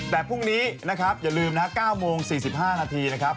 แต่พรุ่งนี้นะครับอย่าลืมนะครับ๙โมง๔๕นาทีนะครับ